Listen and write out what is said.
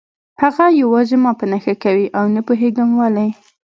هغه یوازې ما په نښه کوي او نه پوهېدم ولې